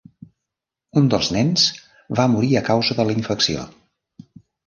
Un dels nens va morir a causa de la infecció.